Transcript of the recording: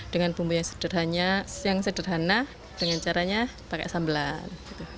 dengan bumbu yang sederhana dengan caranya pakai sambelan